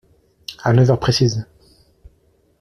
À neuf heures précises !…